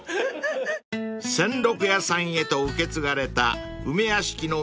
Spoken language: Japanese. ［仙六屋さんへと受け継がれた梅屋敷の